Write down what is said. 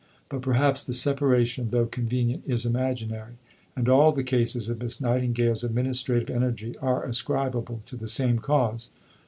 But perhaps the separation, though convenient, is imaginary, and all the cases of Miss Nightingale's administrative energy are ascribable to the same cause.